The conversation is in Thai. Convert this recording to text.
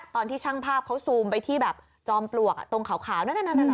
ตอนที่ช่างภาพเขาซูมไปที่แบบจอมปลวกตรงขาวนั่น